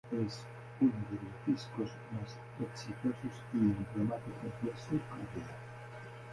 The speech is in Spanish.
Es uno de los discos más exitosos y emblemáticos de su carrera.